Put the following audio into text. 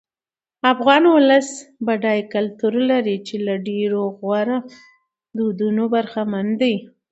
افغان ولس بډای کلتور لري چې له ډېرو غوره دودونو برخمن دی.